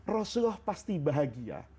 rasulullah pasti bahagia